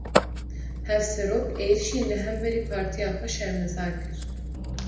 Hevserok, êrîşên li hemberî partiya xwe şermezar kir